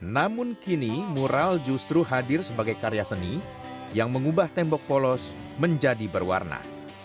namun kini mural justru hadir sebagai karya seni yang mengubah tembok polos menjadi berwarna